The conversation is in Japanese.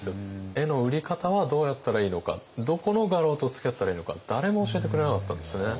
絵の売り方はどうやったらいいのかどこの画廊とつきあったらいいのか誰も教えてくれなかったんですね。